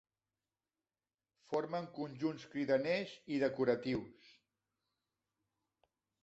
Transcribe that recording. Formen conjunts cridaners i decoratius.